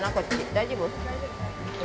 大丈夫。